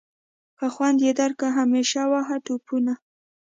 که خوند یې درکړ همیشه وهه ټوپونه.